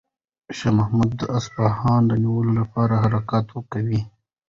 شاه محمود د اصفهان د نیولو لپاره حرکت کوي.